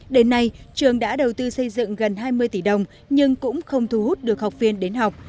đến nay trường đã đầu tư xây dựng gần hai mươi tỷ đồng nhưng cũng không thu hút được học viên đến học